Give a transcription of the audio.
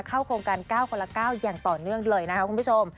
เข้าโครงการ๙คนละ๙อย่างต่อเนื่องเลยนะคะคุณผู้ชม